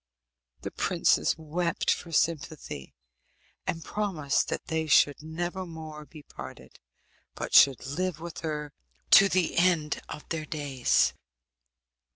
The princess wept for sympathy, and promised that they should never more be parted, but should live with her to the end of their days.